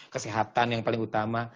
kesehatan yang paling utama